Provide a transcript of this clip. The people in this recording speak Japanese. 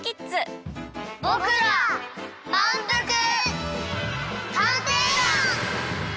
ぼくらまんぷく探偵団！